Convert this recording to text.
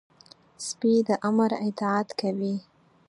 سپي د امر اطاعت کوي.